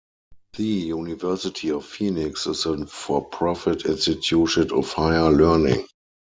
The University of Phoenix is a for-profit institution of higher learning.